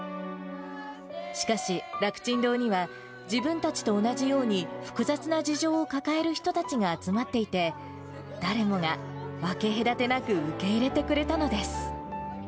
しかし、楽ちん堂には、自分たちと同じように、複雑な事情を抱える人たちが集まっていて、誰もが分け隔てなく受け入れてくれたのです。